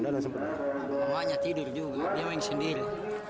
bawanya tidur juga dia main sendiri